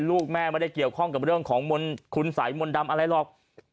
ลูกแม่ไม่ได้เกี่ยวข้องกับเรื่องของมนต์คุณสัยมนต์ดำอะไรหรอก